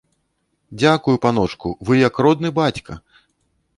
Дзякую, паночку, вы як родны бацька!